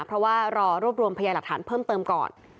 เพราะว่ารอรวบรวมพยาหลักฐานเพิ่มเติมก่อน